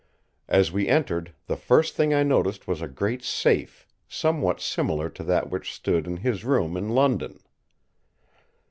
As we entered, the first thing I noticed was a great safe, somewhat similar to that which stood in his room in London.